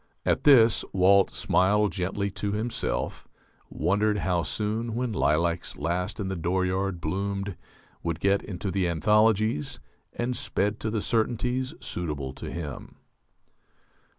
At this Walt smiled gently to himself, wondered how soon "When Lilacs Last in the Dooryard Bloomed" would get into the anthologies, and "sped to the certainties suitable to him."